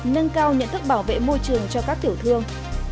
nâng cao nhận thức bảo vệ môi trường cho các tiểu thương